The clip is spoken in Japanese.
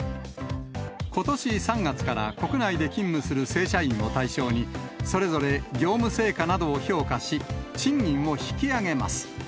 ことし３月から、国内で勤務する正社員を対象に、それぞれ業務成果などを評価し、賃金を引き上げます。